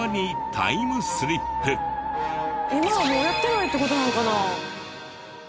今はもうやってないって事なんかな？